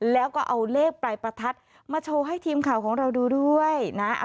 แล้วก็เอาเลขปลายประทัดมาโชว์ให้ทีมข่าวของเราดูด้วยนะ